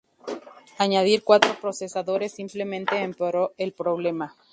Añadir cuatro procesadores simplemente empeoró el problema.